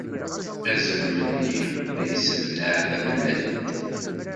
Azrem-nni la yesseblaɛ tamellalt.